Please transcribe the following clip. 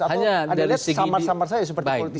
atau ada lihat samar samar saja seperti politisi lain